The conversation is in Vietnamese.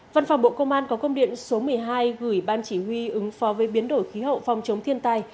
văn phòng bộ công an có công điện số một mươi hai gửi ban chỉ huy ứng phó với biến đổi khí hậu phòng chống thiên tai